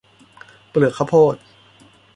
เปลือกข้าวโพด